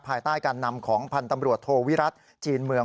ภายใต้การนำของพันธ์ตำรวจโทวิรัติจีนเมือง